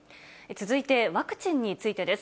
続いてワクチンについてです。